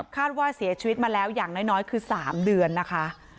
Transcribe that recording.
คาดว่าเสียชีวิตมาแล้วอย่างน้อยคือ๓เดือนนะคะ